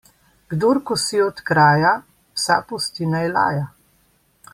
Kdor kosi od kraja, psa pusti, naj laja.